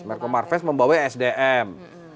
merko marves membawa sdm